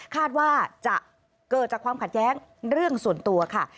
คาดว่าจะเกิดจากความขัดแย้งเรื่องส่วนตัวค่ะ